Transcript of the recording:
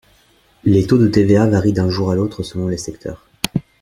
Les taux de TVA varient d’un jour à l’autre selon les secteurs.